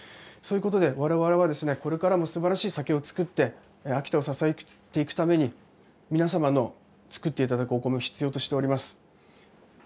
そういうことで我々はですねこれからもすばらしい酒を造って秋田を支えていくために皆様の作って頂くお米を必要としております。